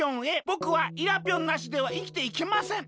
ぼくはイラぴょんなしではいきていけません。